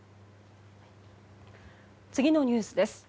次のニュースです。